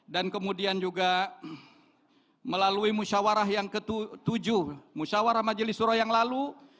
dan kemudian juga melalui musyawarah yang ketujuh musyawarah majelis shura yang lalu